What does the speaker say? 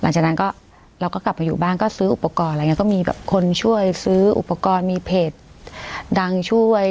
หลังจากนั้นก็เราก็กลับไปอยู่บ้านก็ซื้ออุปกรณ์อะไรอย่างนี้ก็มีแบบคนช่วยซื้ออุปกรณ์มีเพจดังช่วย